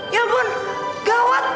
ya ampun gawat